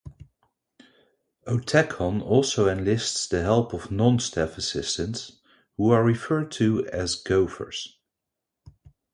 Otakon also enlists the help of non-staff assistants, who are referred to as gofers.